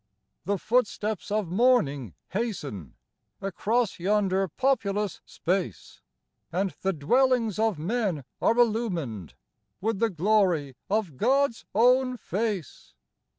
The footsteps of morning hasten Across yonder populous space, And the dwellings of men are illumined With the glory of God's own face.